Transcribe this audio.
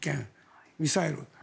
ミサイル。